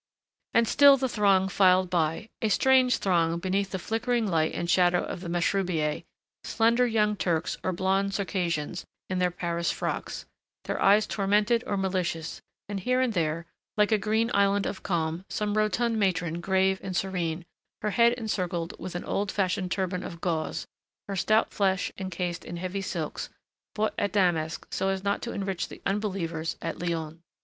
And still the throng filed by, a strange throng beneath the flickering light and shadow of the mashrubiyeh, slender young Turks or blonde Circassians in their Paris frocks, their eyes tormented or malicious, and here and there, like a green island of calm, some rotund matron grave and serene, her head encircled with an old fashioned turban of gauze, her stout flesh encased in heavy silks, bought at Damask so as not to enrich the Unbelievers at Lyons.